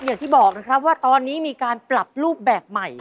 อย่างที่บอกนะครับว่าตอนนี้มีการปรับรูปแบบใหม่